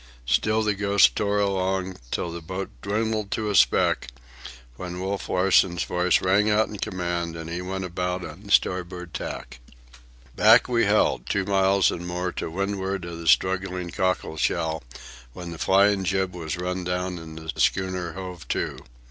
Still the Ghost tore along, till the boat dwindled to a speck, when Wolf Larsen's voice rang out in command and he went about on the starboard tack. Back we held, two miles and more to windward of the struggling cockle shell, when the flying jib was run down and the schooner hove to.